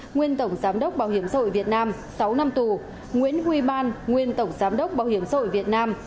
nguyên tổng giám đốc bảo hiểm sâu ở việt nam sáu năm tù nguyễn huy ban nguyên tổng giám đốc bảo hiểm sâu ở việt nam